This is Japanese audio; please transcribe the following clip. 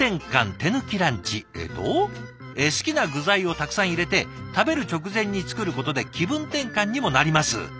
えっと「好きな具材をたくさん入れて食べる直前に作ることで気分転換にもなります」。